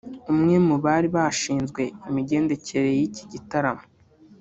umwe mu bari bashinzwe imigendekerere y’iki gitaramo